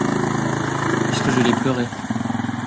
Puisque je l'ai pleuré !